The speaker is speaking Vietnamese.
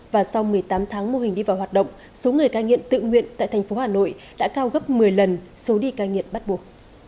và sau một mươi tám tháng mô hình đi vào hoạt động số người cai nghiện tự nguyện tại thành phố hà nội đã cao gấp một mươi lần số đi cai nghiện bắt buộc